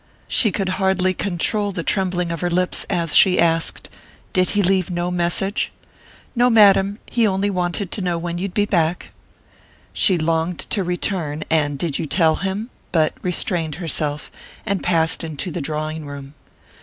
She could hardly control the trembling of her lips as she asked: "Did he leave no message?" "No, madam: he only wanted to know when you'd be back." She longed to return: "And did you tell him?" but restrained herself, and passed into the drawing room.